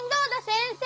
先生！